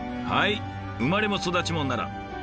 はい生まれも育ちも奈良。